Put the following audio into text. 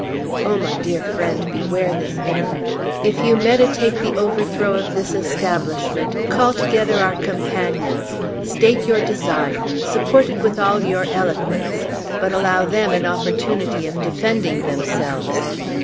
Oh, my dear friend, beware this error! If you meditate the overthrow of this establishment, call together our companions, state your design, support it with all your eloquence, but allow them an opportunity of defending themselves."